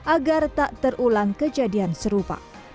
agar tak terulang kejadian serupa